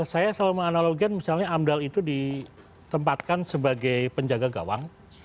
saya selalu menganalogikan misalnya amdal itu ditempatkan sebagai penjaga gawang